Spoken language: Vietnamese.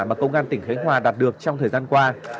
mà công an tỉnh khánh hòa đạt được trong thời gian qua